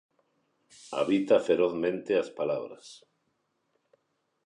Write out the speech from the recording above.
Habita ferozmente as palabras.